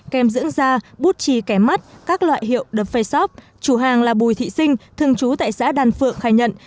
kem dưỡng da bút trì kẻ mắt các loại hiệu đập phê sóc chủ hàng là bùi thị sinh thường trú tại xã đan phượng khai nhận